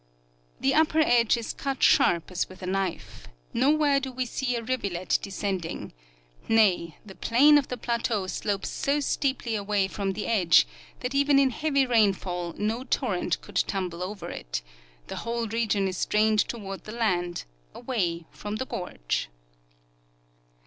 The upper edge is cut sharp as with a knife ; nowhere do we see a rivulet descending ; nay, the plane of the plateau slopes so steeply away from the edge that even in heavy rainfall no tor rent could tumble over it — the whole region is drained toward the land, away from the gorge.